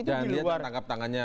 dan dia tertangkap tangannya